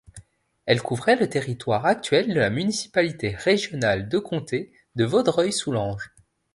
Elle couvrait le territoire actuel de la municipalité régionale de comté de Vaudreuil-Soulanges.